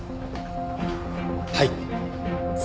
はい。